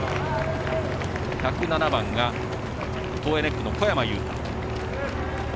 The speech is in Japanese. １０７番がトーエネックの小山裕太。